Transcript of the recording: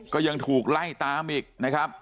ก็ยังถูกไล่ตามอีกนะครับ